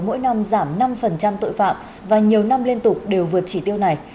mỗi năm giảm năm tội phạm và nhiều năm liên tục đều vượt chỉ tiêu này